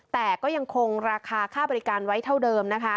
แต่ก็ยังคงราคาค่าบริการไว้เท่าเดิมนะคะ